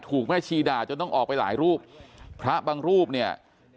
แม่ชีด่าจนต้องออกไปหลายรูปพระบางรูปเนี่ย